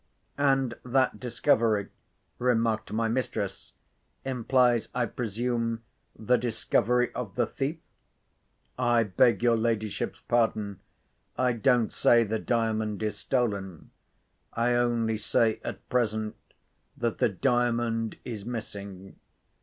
"And that discovery," remarked my mistress, "implies, I presume, the discovery of the thief?" "I beg your ladyship's pardon—I don't say the Diamond is stolen. I only say, at present, that the Diamond is missing.